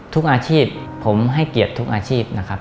ทุกอาชีพผมให้เกียรติทุกอาชีพนะครับ